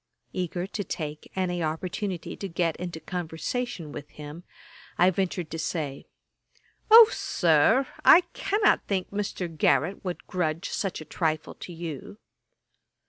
Eager to take any opening to get into conversation with him, I ventured to say, 'O, Sir, I cannot think Mr. Garrick would grudge such a trifle to you.'